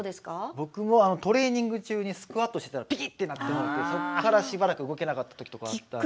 僕もトレーニング中にスクワットしてたらピキッ！ってなってもうてそこからしばらく動けなかったときとかはあった。